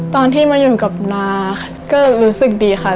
ตอนที่มาอยู่กับนาก็รู้สึกดีค่ะ